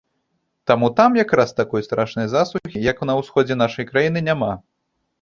Таму там як раз такой страшнай засухі, як на ўсходзе нашай краіны, няма.